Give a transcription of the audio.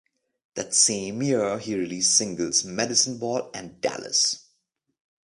That same year he released singles "Medicine Ball" and "Dallas".